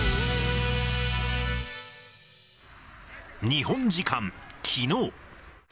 日本時間きのう。